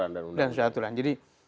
dan undangannya dan sesuai aturan jadi